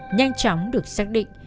nhanh chóng được xác định